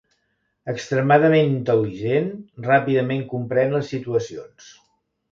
Extremadament intel·ligent, ràpidament comprèn les situacions.